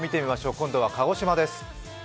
今度は鹿児島です。